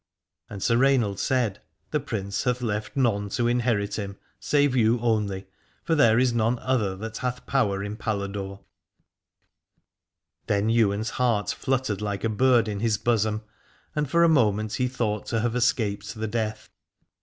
And Sir Rainald said: The Prince hath left none to inherit him, save you only: for there is none other that hath power in Paladore. Then Ywain's heart fluttered like a bird in his bosom, and for a moment he thought to have escaped the death.